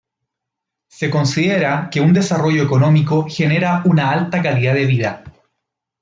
Se considera que un desarrollo económico genera una alta calidad de vida.